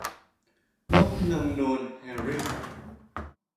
นกนางนวลแฮร์ริ่ง